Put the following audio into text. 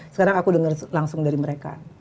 sekarang aku dengar langsung dari mereka